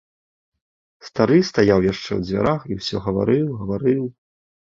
Стары стаяў яшчэ ў дзвярах і ўсё гаварыў, гаварыў.